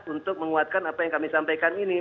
untuk menguatkan apa yang kami sampaikan ini